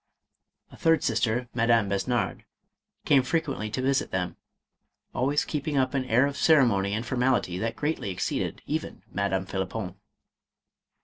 A third sister, Madame Besnard, came frequently to visit them, always keeping up an air of ceremony and formality that greatly exceeded even Madame Phlippon.